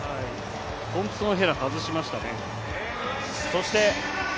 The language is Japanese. トンプソンヘラ、外しましたね。